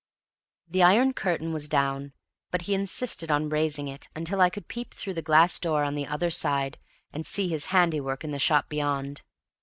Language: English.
The iron curtain was down, but he insisted on raising it until I could peep through the glass door on the other side and see his handiwork in the shop beyond.